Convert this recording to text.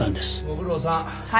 ご苦労さん。